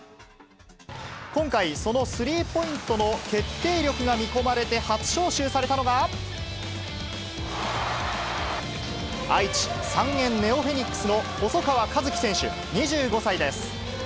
今回、そのスリーポイントの決定力が見込まれて初招集されたのが、愛知・三遠ネオフェニックスの細川一輝選手２５歳です。